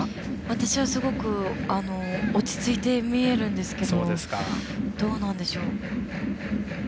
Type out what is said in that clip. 私はすごく落ち着いて見えるんですがどうなんでしょう。